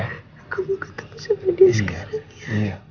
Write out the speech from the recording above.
aku mau ketemu sepedi sekarang ya